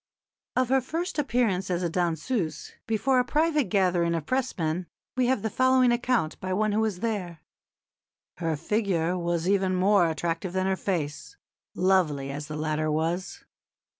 Of her first appearance as a danseuse, before a private gathering of Pressmen, we have the following account by one who was there: "Her figure was even more attractive than her face, lovely as the latter was.